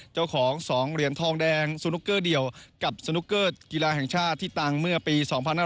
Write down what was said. เจ้าของ๒เหรียญทองแดงสนุกเกอร์เดียวกับสนุกเกอร์กีฬาแห่งชาติที่ตังเมื่อปี๒๕๕๙